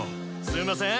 すんません！